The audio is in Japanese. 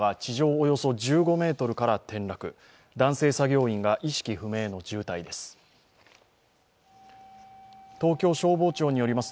およそ１５ｍから転落、男性作業員が意識不明の重体です。